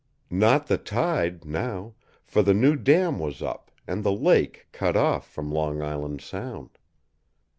Not the tide, now, for the new dam was up and the lake cut off from Long Island Sound.